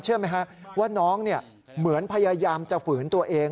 เชื่อไหมว่าน้องเหมือนพยายามจะฝืนตัวเอง